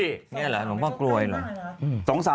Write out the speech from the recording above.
นี่หรือหลวงพ่อกรวยหรือ